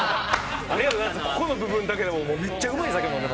ここの部分だけでもめっちゃうまい酒飲んでる。